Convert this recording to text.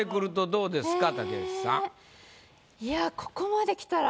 どうですか？